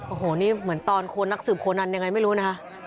โอ้โหนี่เหมือนตอนโคนนักสืบโคนันยังไงไม่รู้นะคะ